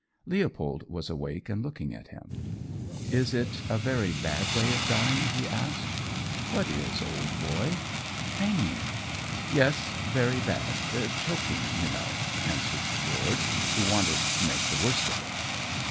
Leopold was awake and looking at him. "Is it a very bad way of dying?" he asked. "What is, old boy!" "Hanging." "Yes, very bad choking, you know," answered George, who wanted to make the worst of it.